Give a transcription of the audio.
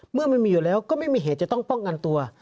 เมื่อมันมีอยู่แล้วก็ไม่มีเหตุจะต้องป้องกันตัว